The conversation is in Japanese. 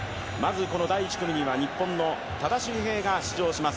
第１組には日本の多田修平が出場します。